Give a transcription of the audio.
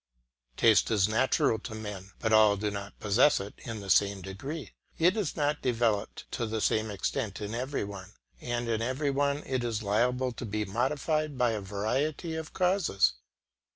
Taste is natural to men; but all do not possess it in the same degree, it is not developed to the same extent in every one; and in every one it is liable to be modified by a variety of causes.